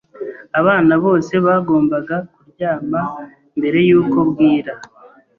Abana bose bagombaga kuryama mbere yuko bwira.